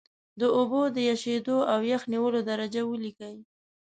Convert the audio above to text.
د اوبو د ایشېدو او یخ نیولو درجه ولیکئ.